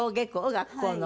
学校の。